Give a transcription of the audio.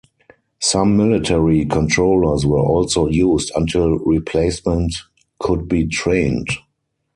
Some military controllers were also used until replacements could be trained.